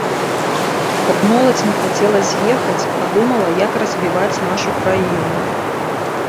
Каб моладзь не хацела з'ехаць, а думала, як развіваць нашу краіну.